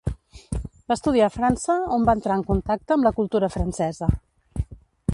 Va estudiar a França, on va entrar en contacte amb la cultura francesa.